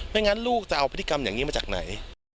งั้นลูกจะเอาพฤติกรรมอย่างนี้มาจากไหน